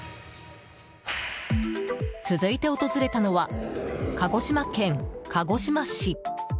続いて訪れたのは鹿児島県鹿児島市。